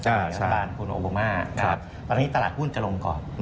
ในสถานคุณโอบอม่าตอนนี้ตลาดหุ้นจะลงก่อน